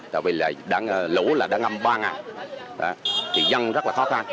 tại vì lũ đã ngâm ba ngàn thì dân rất là khó khăn